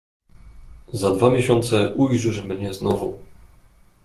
"Za dwa miesiące ujrzysz mnie znowu."